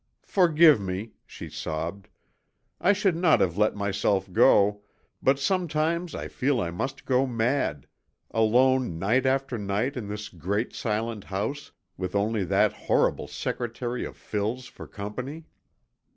"Forgive me," she sobbed. "I should not have let myself go, but sometimes I feel I must go mad, alone night after night in this great silent house with only that horrible secretary of Phil's for company!"